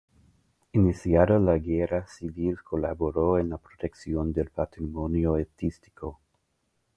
Iniciada la Guerra Civil colaboró en la protección del patrimonio artístico.